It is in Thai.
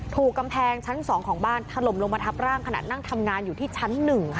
ถูกกำแพงชั้น๒ของบ้านถล่มลงมาทับร่างขณะนั่งทำงานอยู่ที่ชั้น๑ค่ะ